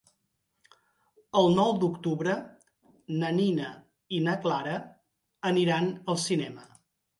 El nou d'octubre na Nina i na Clara aniran al cinema.